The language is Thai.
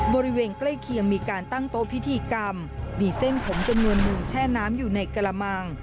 บริเวณใกล้เคียงมีการตั้งโต๊ะพิธีกรรมมีเส้นผมจำนวนหนึ่งแช่น้ำอยู่ในกระมัง